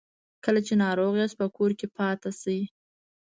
کله چې ناروغ یاست په کور کې پاتې سئ